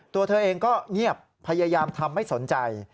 ตัวเธอเองก็เงียบพยายามทำไม่สนใจ